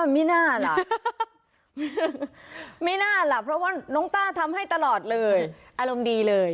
ไม่น่าล่ะไม่น่าล่ะเพราะว่าน้องต้าทำให้ตลอดเลยอารมณ์ดีเลย